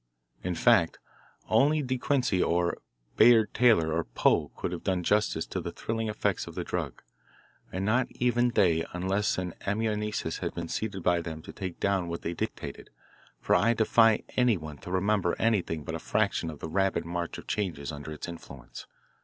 In fact, only De Quincey or Bayard Taylor or Poe could have done justice to the thrilling effects of the drug, and not even they unless an amanuensis had been seated by them to take down what they dictated, for I defy anyone to remember anything but a fraction of the rapid march of changes under its influence.